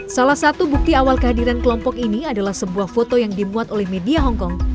salah satu bukti awal kehadiran kelompok ini adalah sebuah foto yang dimuat oleh media hongkong